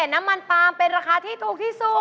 น้ำมันปาล์มเป็นราคาที่ถูกที่สุด